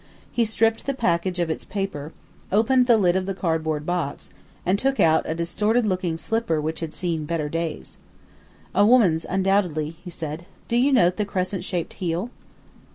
He stripped the package of its paper, opened the lid of the cardboard box, and took out a distorted looking slipper which had seen better days. "A woman's, undoubtedly," he said. "Do you note the crescent shaped heel."